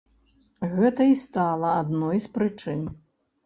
Гэта і стала адной з прычын.